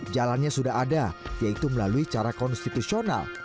jalannya sudah ada yaitu melalui cara konstitusional